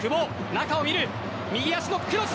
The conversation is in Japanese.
中を見る、右足のクロス。